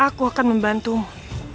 aku akan membantumu